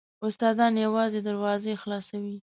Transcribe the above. استادان یوازې دروازې خلاصوي .